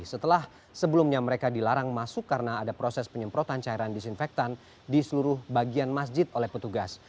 setelah sebelumnya mereka dilarang masuk karena ada proses penyemprotan cairan disinfektan di seluruh bagian masjid oleh petugas